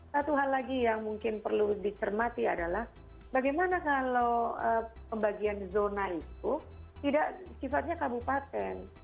satu hal lagi yang mungkin perlu dicermati adalah bagaimana kalau pembagian zona itu tidak sifatnya kabupaten